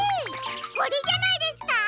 これじゃないですか？